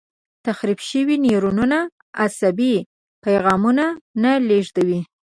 تخریب شوي نیورونونه عصبي پیغامونه نه لېږدوي.